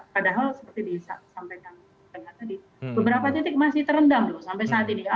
padahal seperti disampaikan tengah tadi beberapa titik masih terendam loh sampai saat ini